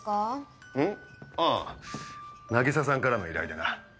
ああ凪沙さんからの依頼でな。